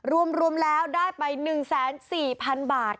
รวมแล้วได้ไป๑๔๐๐๐บาท